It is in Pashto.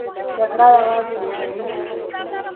جګړه یوازې ویجاړۍ زېږوي.